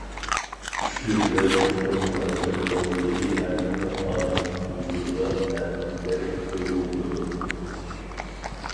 كۈچلۈك ۋە چوڭقۇر مۇھەببەت قوينىدىكى ھەرقانداق ئادەمنىڭ ۋۇجۇدىدا مەلۇم لىرىك تۇيغۇ بولىدۇ.